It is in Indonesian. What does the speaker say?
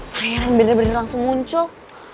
pangeran bener bener langsung muncul